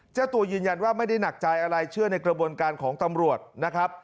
เจ้าตัวยืนยันว่าไม่ได้หนักใจอะไรเชื่อในกระบวนการของตำรวจนะครับ